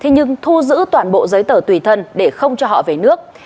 nhưng thu giữ toàn bộ giấy tờ tùy thân để không cho họ về nước